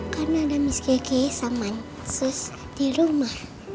karena ada miss kk sama sus di rumah